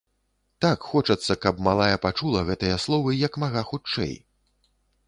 Так хочацца, каб малая пачула гэтыя словы, як мага хутчэй.